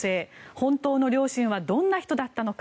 本当の両親はどんな人だったのか。